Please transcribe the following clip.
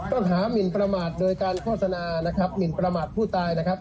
ต้องหามินประหมาตโดยการโฆษณามินประหมาตผู้ตาย